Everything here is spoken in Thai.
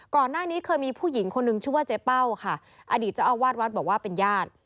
ก่อนหน้านี้เคยมีผู้หญิงคนนึงชื่อว่าเจ๊เป้าค่ะอดีตเจ้าอาวาสวัดบอกว่าเป็นญาติ